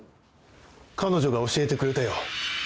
彼女が教えてくれたよ。